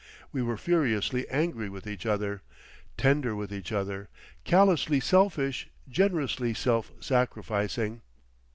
We were furiously angry with each other, tender with each other, callously selfish, generously self sacrificing.